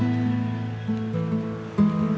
gak usah lo nyesel